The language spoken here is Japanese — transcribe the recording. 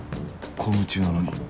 公務中なのに